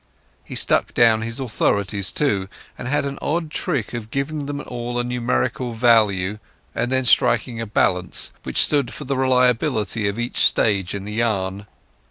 He stuck down his authorities, too, and had an odd trick of giving them all a numerical value and then striking a balance, which stood for the reliability of each stage in the yarn.